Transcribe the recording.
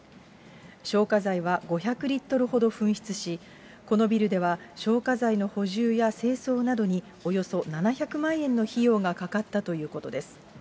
消火剤は５００リットルほど噴出し、このビルでは消火剤の補充や清掃などにおよそ７００万円の費用がかかったということです。